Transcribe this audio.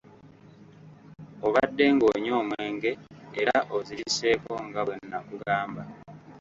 Obadde ng'onywa omwenge; era oziriseeko nga bwe nakugamba.